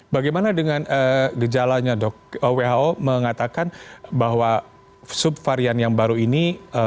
bagaimana dengan gejalanya dok who mengatakan bahwa subvarian yang baru ini